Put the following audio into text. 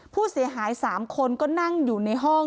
ผู้เสียหาย๓คนก็นั่งอยู่ในห้อง